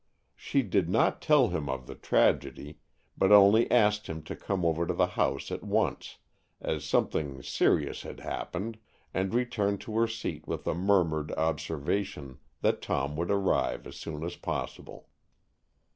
She did not tell him of the tragedy, but only asked him to come over to the house at once, as something serious had happened, and returned to her seat with a murmured observation that Tom would arrive as soon as possible.